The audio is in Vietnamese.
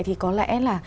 thì có lẽ là